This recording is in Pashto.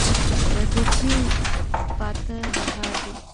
له توتکیو پاته بهار دی